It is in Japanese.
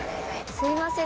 すみません